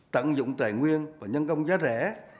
tận dụng tài nguyên và nhân công giá rẻ